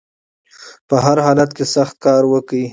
په هر حالت کې سخت کار وکړئ